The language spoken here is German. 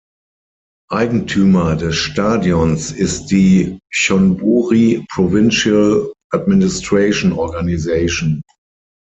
Eigentümer des Stadions ist die "Chon Buri Provincial Administration Organization".